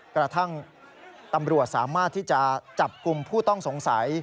กระทั่งตำรวจสามารถที่จะจับกลุ่มผู้ต้องสงสัย